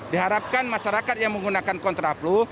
diharapkan masyarakat yang menggunakan kontraplu